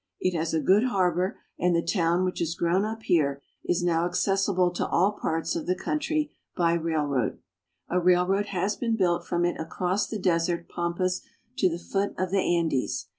It has a good harbor, and the town which has grown up here is now accessible to all parts of the country by railroad. A railroad has been built from it across the desert pampas to the foot of the Andes.